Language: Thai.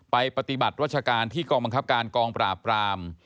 ปฏิบัติรัชการที่กองบังคับการกองปราบราม